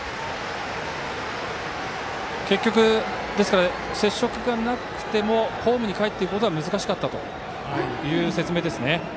結局、接触がなくてもホームにかえってくることは難しかったという説明ですね。